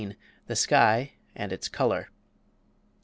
THE SKY AND ITS COLOR.